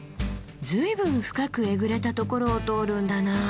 随分深くえぐれたところを通るんだな。